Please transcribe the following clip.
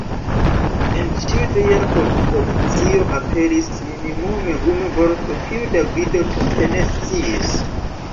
En ĉiu tria propozicio aperis minimume unu vorto, kiun Davido tute ne sciis.